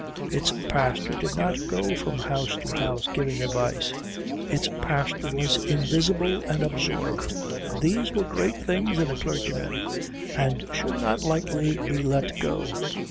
Its pastor did not go from house to house giving advice. Its pastor was invisible and absorbed. These were great things in a clergyman, and should not lightly be let go.